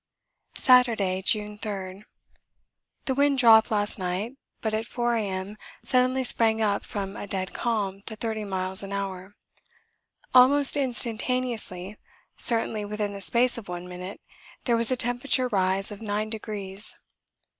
Saturday, June 3. The wind dropped last night, but at 4 A.M. suddenly sprang up from a dead calm to 30 miles an hour. Almost instantaneously, certainly within the space of one minute, there was a temperature rise of nine degrees.